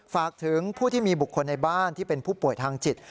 ฝากถึงผู้ที่มีบุคคลในบ้านที่เป็นผู้ป่วยทางจิต